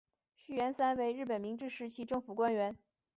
续彦三为日本明治时期政府官员。